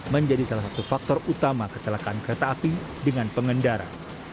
menjadi salah satu faktor utama kecelakaan kereta api dengan pengendara